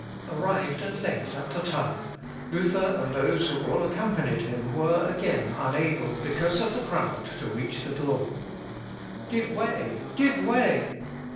Arrived at length at the town, Luther and those who all accompanied him were again unable, because of the crowd, to reach the door. Give way! give way!